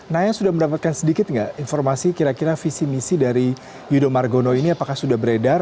naya sudah mendapatkan sedikit nggak informasi kira kira visi misi dari yudho margono ini apakah sudah beredar